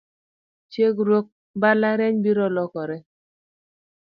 Tiegruok embalariany biro lokore